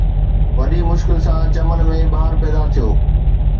وڏي مشڪل سان چمن ۾ ٻار پيدا ٿيو